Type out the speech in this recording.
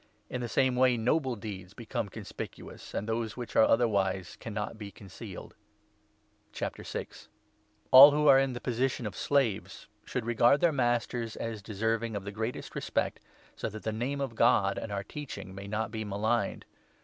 In the 25 same way noble deeds become conspicuous, and those which are otherwise cannot be concealed. All who are in the position of slaves should i AS to regard their masters as deserving of the greatest Slaves. ,, VT r /^ j respect, so that the Name of God, and our Teaching, may not be maligned.